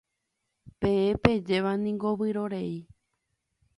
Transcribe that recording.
Peẽ pejéva niko vyrorei.